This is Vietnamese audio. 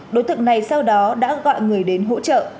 đối tượng này sau đó đã gọi người đến hỗ trợ